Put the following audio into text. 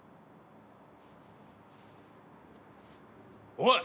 おい！